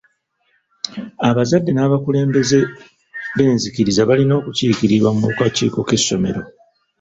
Abazadde n'abakulembeze b'enzikkiriza balina okukiikirirwa mu kakiiko k'essomero.